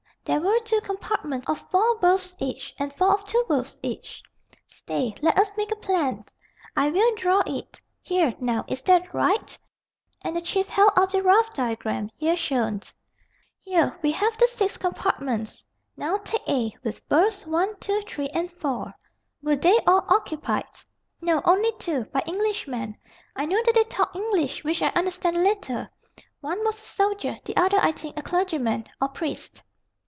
There were two compartments of four berths each, and four of two berths each." "Stay, let us make a plan. I will draw it. Here, now, is that right?" and the Chief held up the rough diagram, here shown [Illustration: Diagram of railroad car.] "Here we have the six compartments. Now take a, with berths 1, 2, 3, and 4. Were they all occupied?" "No; only two, by Englishmen. I know that they talked English, which I understand a little. One was a soldier; the other, I think, a clergyman, or priest."